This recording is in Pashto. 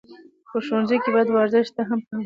په ښوونځیو کې باید ورزش ته هم پام وسي.